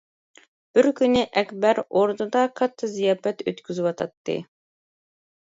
بىر كۈنى، ئەكبەر ئوردىدا كاتتا زىياپەت ئۆتكۈزۈۋاتاتتى.